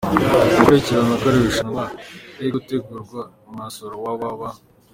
Gukurikirana uko iri rushanwa riri gutegurwa, mwasura www.